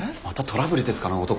またトラブルですかね